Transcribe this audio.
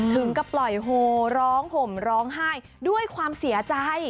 ถึงกับปล่อยโฮร้องห่มร้องไห้ด้วยความเสียใจ